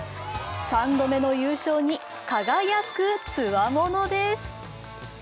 ３度目の優勝に輝くつわものです。